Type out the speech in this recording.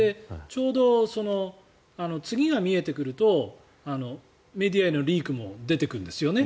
ちょうど次が見えてくるとメディアへのリークも出てくるんですよね。